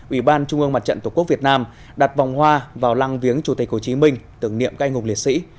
ủy ban trung ương mặt trận tổ quốc việt nam đặt vòng hoa vào lăng viếng chủ tịch hồ chí minh tưởng niệm canh hùng liệt sĩ